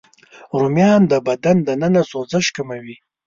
رومیان د بدن دننه سوزش کموي